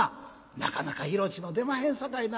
「なかなか色っつうの出まへんさかいな。